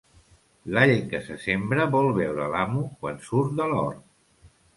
L'all que se sembra vol veure l'amo quan surt de l'hort.